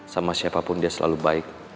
sama siapapun dia selalu baik